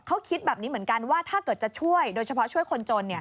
เขาคิดแบบนี้เหมือนกันว่าถ้าเกิดจะช่วยโดยเฉพาะช่วยคนจน